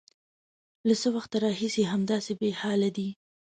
_له څه وخته راهيسې همداسې بېحاله دی؟